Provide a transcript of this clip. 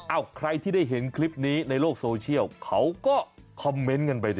ใครที่ได้เห็นคลิปนี้ในโลกโซเชียลเขาก็คอมเมนต์กันไปนะ